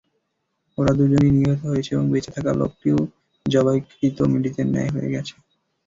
ওরা দুজনই নিহত হয়েছে এবং বেঁচে থাকা লোকটিও যবাইকৃত মৃতের ন্যায় হয়ে গেছে।